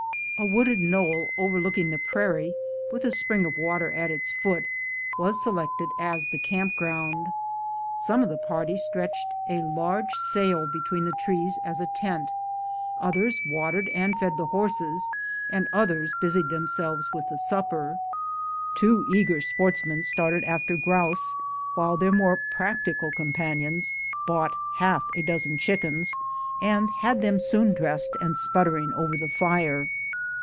A wooded knoll overlooking the prairie, with a spring of water at its foot, was selected as the camp ground. Some of the partv stretched a large sail between the trees as a tent, others watered and fed the horses, and others busied themselves with the supper. Two eager sportsmen started after grouse, while their more prac tical companions bought half a dpzen chickens, and had them soon dressed and sputtering over the fire.